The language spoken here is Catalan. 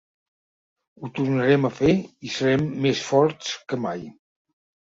Ho tornarem a fer i serem més forts que mai.